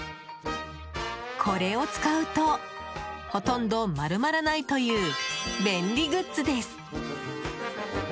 これを使うとほとんど丸まらないという便利グッズ。